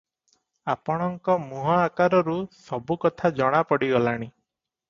ଆପଣଙ୍କ ମୁହଁ ଆକାରରୁ ସବୁକଥା ଜଣାପଡ଼ିଗଲାଣି ।